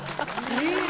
いいね！